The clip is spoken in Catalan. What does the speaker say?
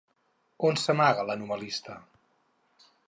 On s'amaga la novel·lista?